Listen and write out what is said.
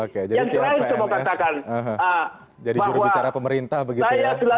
oke jadi tnpns jadi jurubicara pemerintah begitu ya pak henry subiakso